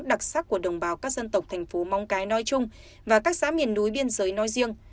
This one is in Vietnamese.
đặc sắc của đồng bào các dân tộc thành phố móng cái nói chung và các xã miền núi biên giới nói riêng